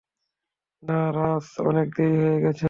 না রাজ, অনেক দেরি হয়ে গেছে।